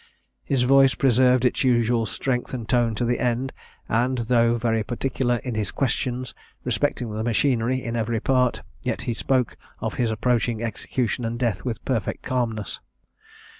His voice preserved its usual strength and tone to the end; and, though very particular in his questions respecting the machinery in every part, yet he spoke of his approaching execution and death with perfect calmness.